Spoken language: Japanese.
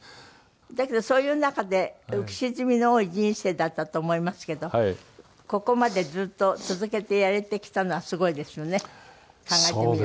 だけどそういう中で浮き沈みの多い人生だったと思いますけどここまでずっと続けてやれてきたのはすごいですよね考えてみると。